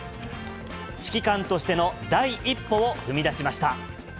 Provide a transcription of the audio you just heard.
指揮官としての第一歩を踏み出しました。